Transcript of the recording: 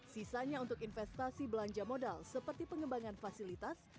sisanya untuk investasi belanja modal seperti pengembangan fasilitas